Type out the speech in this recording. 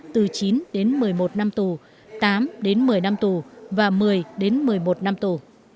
từ chín một mươi một năm tù tám một mươi năm tù và một mươi một mươi một năm tù